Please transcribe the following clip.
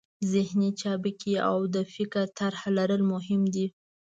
ذهني چابکي او د فکر طرحه لرل مهم دي.